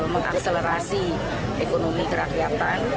mengakselerasi ekonomi kerakyatan